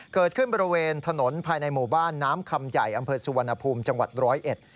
เกิดขึ้นบริเวณถนนภายในหมู่บ้านน้ำคำใหญ่อำเภอสุวรรณภูมิจังหวัดร้อยเอ็ด